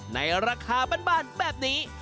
ในราคาบ้านแบบนี้